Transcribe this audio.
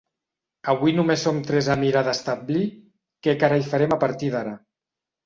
Avui només som tres a mirar d'establir què carai farem a partir d'ara.